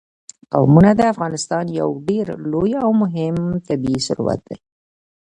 قومونه د افغانستان یو ډېر لوی او مهم طبعي ثروت دی.